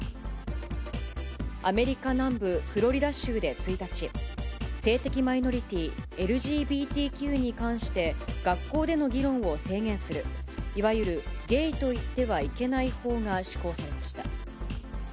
アメリカ南部フロリダ州で１日、性的マイノリティー・ＬＧＢＴＱに関して、学校での議論を制限する、いわゆるゲイと言ってはいけない法が施行されました。